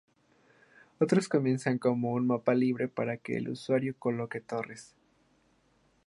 Otros comienzan como un mapa libre para que el usuario coloque torres.